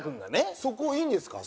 そこいいんですか？